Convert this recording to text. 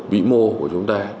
vĩ mô của chúng ta